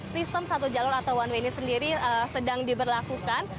sistem satu jalur atau one way ini sendiri sedang diberlakukan